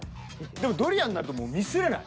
でもドリアンだとミスれない。